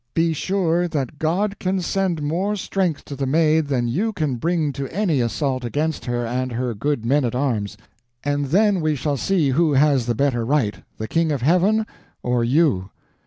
Be sure that God can send more strength to the Maid than you can bring to any assault against her and her good men at arms; and then we shall see who has the better right, the King of Heaven, or you.